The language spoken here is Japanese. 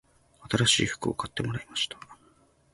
新しい服を買ってもらいました